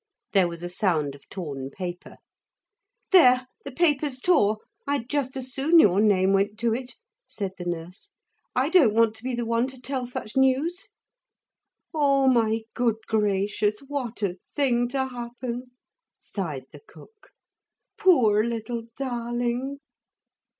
There was a sound of torn paper. 'There the paper's tore. I'd just as soon your name went to it,' said the nurse. 'I don't want to be the one to tell such news.' 'Oh, my good gracious, what a thing to happen,' sighed the cook. 'Poor little darling!'